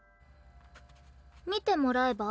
見てもらえば？